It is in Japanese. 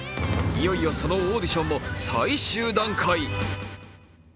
いよいよそのオーディションも最終段階。